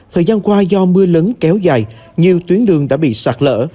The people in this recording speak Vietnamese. thời gian qua do mưa lớn kéo dài nhiều tuyến đường đã bị sạt lỡ